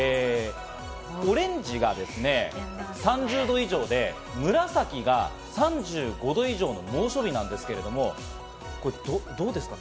オレンジが３０度以上で、紫が３５度以上の猛暑日なんですけれど、これどうですか？